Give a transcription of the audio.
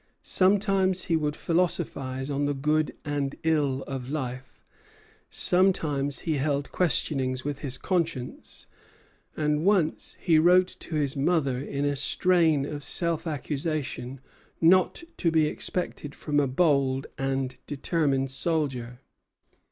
Sometimes he would philosophize on the good and ill of life; sometimes he held questionings with his conscience; and once he wrote to his mother in a strain of self accusation not to be expected from a bold and determined soldier.